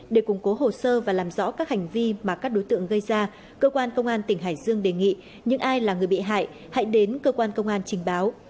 để củng cố hồ sơ và làm rõ các hành vi mà các đối tượng gây ra cơ quan công an tỉnh hải dương đề nghị những ai là người bị hại hãy đến cơ quan công an trình báo